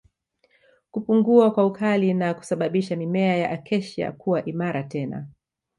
Kupungua kwa ukali na kusababisha mimea ya Acacia kuwa imara tena